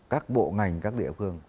các bộ ngành các địa phương